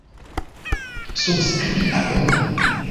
Subskribi abonon.